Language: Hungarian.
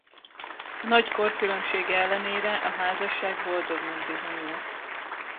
A nagy korkülönbség ellenére a házasság boldognak bizonyult.